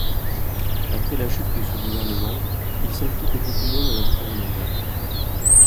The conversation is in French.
Après la chute de ce gouvernement, il s'implique beaucoup moins dans la vie parlementaire.